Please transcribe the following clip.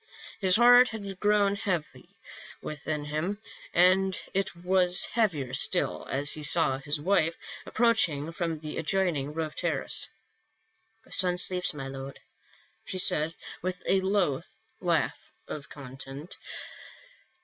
His heart had grown heavy within him, and it was heavier still as he saw his wife approaching from the adjoining roof terrace. " Our son sleeps, my lord," she said, with a low laugh of content.